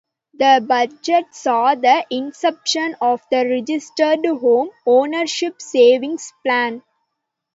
The budget saw the inception of the Registered Home Ownership Savings Plan.